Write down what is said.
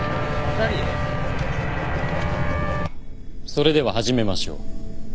それでは始めましょう。